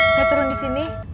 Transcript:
saya turun di sini